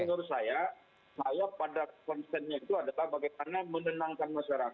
menurut saya saya pada konsennya itu adalah bagaimana menenangkan masyarakat